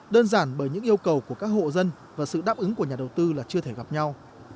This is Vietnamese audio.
đơn giản bởi những yêu cầu của các hộ dân và sự đáp ứng của nhà đầu tư là chưa thể gặp nhau